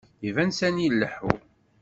Iban sani ileḥḥu..